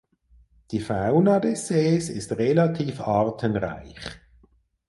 Die Fauna des Sees ist relativ artenreich.